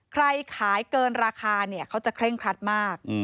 ใครขายเกินราคาเนี่ยเขาจะเคร่งครัดมาก